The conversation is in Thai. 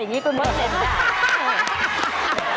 อย่างนี้คนเล่นไพ่เสียบมีอารมณ์ร้องเพลง